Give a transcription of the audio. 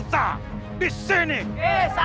ada pribadi dunia pengalaman